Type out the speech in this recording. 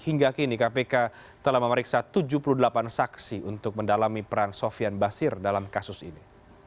hingga kini kpk telah memeriksa tujuh puluh delapan saksi untuk mendalami peran sofian basir dalam kasus ini